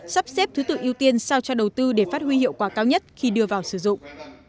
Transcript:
sắp xếp thứ tự ưu tiên sao cho đầu tư để phát huy hiệu quả cao nhất khi đưa vào sử dụng